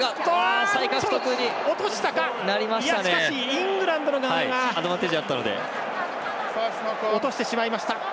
イングランド落としてしまいました。